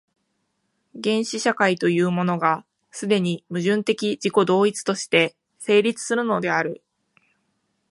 原始社会というものが、既に矛盾的自己同一として成立するのである。